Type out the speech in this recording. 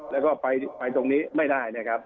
แล้วก็ไปตรงนี้ไม่ได้นะครับ